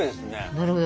なるほど。